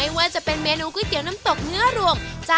โอเคขอบคุณมากค่ะ